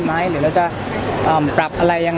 สาเหตุหลักคืออะไรหรอครับผมว่าเราก็ไม่คอมิวนิเคทกัน